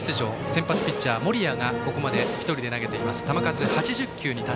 先発ピッチャー、森谷がここまで１人で投げています。